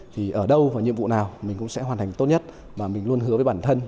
thì ở đâu và nhiệm vụ nào mình cũng sẽ hoàn thành tốt nhất và mình luôn hứa với bản thân